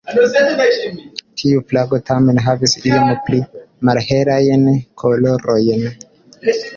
Tiu flago tamen havis iom pli malhelajn kolorojn.